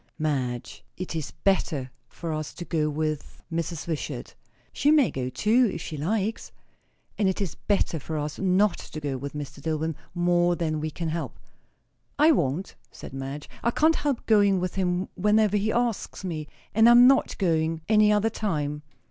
"Madge, it is better for us to go with Mrs. Wishart." "She may go too, if she likes." "And it is better for us not to go with Mr. DilIwyn, more than we can help." "I won't," said Madge. "I can't help going with him whenever he asks me, and I am not going any other time."